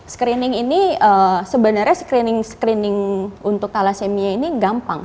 screening ini sebenarnya screening screening untuk thalassemia ini gampang